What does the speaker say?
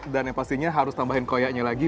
dan yang pastinya harus tambahin koyaknya lagi